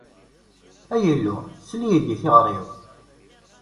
Ay Illu, sel-d i tiɣri-w!